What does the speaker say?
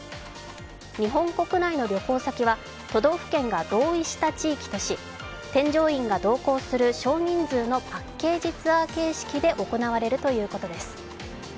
日本国内の旅行先は都道府県が同意した地域とし、添乗員が同行する少人数のパッケージツアー形式で行われるということです。